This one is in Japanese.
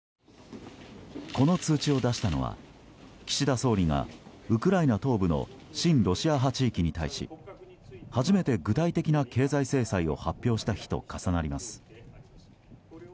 この通知を出したのは岸田総理がウクライナ東部の親ロシア派地域に対し初めて具体的な経済制裁を発表した日と重なります。